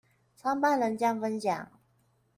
創辦人將分享